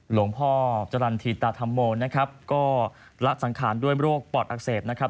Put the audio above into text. หลวงพ่อจรรย์ธีตาธรรมโมนะครับก็ละสังขารด้วยโรคปอดอักเสบนะครับ